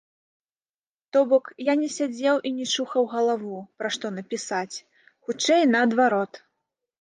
То бок, я не сядзеў і не чухаў галаву, пра што напісаць, хутчэй, наадварот.